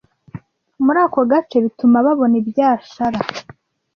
muri ako gace bituma babona ibyashara,